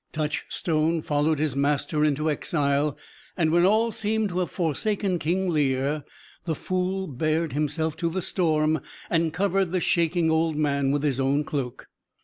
Touchstone followed his master into exile; and when all seemed to have forsaken King Lear the fool bared himself to the storm and covered the shaking old man with his own cloak.